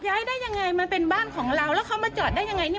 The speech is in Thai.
ย้ายได้ยังไงมันเป็นบ้านของเราแล้วเขามาจอดได้ยังไงเนี่ย